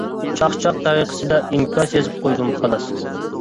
چاقچاق تەرىقىسىدە ئىنكاس يېزىپ قويدۇم، خالاس.